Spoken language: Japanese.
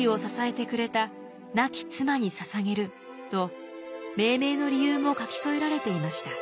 と命名の理由も書き添えられていました。